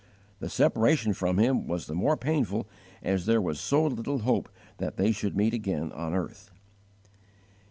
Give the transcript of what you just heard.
The separation from him was the more painful as there was so little hope that they should meet again on earth.